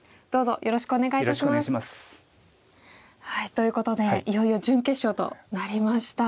ということでいよいよ準決勝となりました。